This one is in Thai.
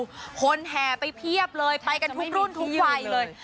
คนแห่ไปเพียบเลยไปกันทุกรุ่นทุกวัยเลย